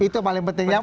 itu paling penting